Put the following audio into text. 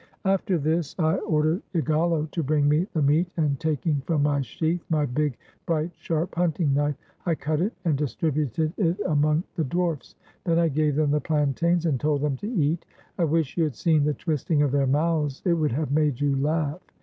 After this I ordered Igalo to bring me the meat, and taking from my sheath my big, bright, sharp hunting knife, I cut it and distributed it among the dwarfs. Then I gave them the plantains, and told them to eat. I wish you had seen the twisting of their mouths; it would have made you laugh.